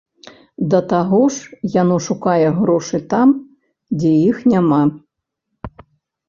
Да таго ж яно шукае грошы там, дзе іх няма.